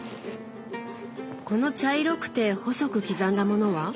この茶色くて細く刻んだものは？